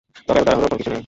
তবে, এত তাড়াহুড়োর কিছু নেই।